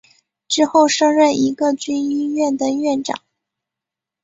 之后升任一个军医院的院长。